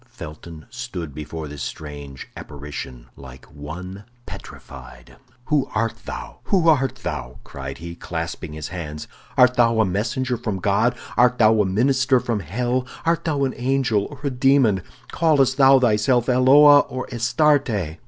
Felton stood before this strange apparition like one petrified. "Who art thou? Who art thou?" cried he, clasping his hands. "Art thou a messenger from God; art thou a minister from hell; art thou an angel or a demon; callest thou thyself Eloa or Astarte?"